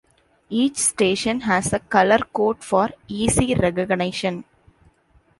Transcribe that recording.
Each station has a color code for easy recognition.